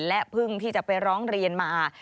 และเพิ่งที่จะไปร้องเรียนมา